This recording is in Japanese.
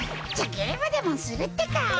じゃゲームでもするってか。